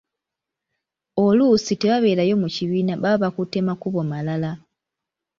Oluusi tebabeerayo mu kibiina baba bakutte makubo malala.